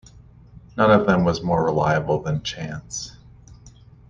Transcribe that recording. None of them was more reliable than chance.